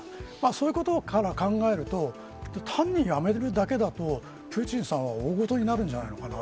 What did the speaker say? そういうことから考えると単に、辞めるだけだとプーチンさんは大事になるんじゃないのかな